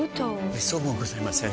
めっそうもございません。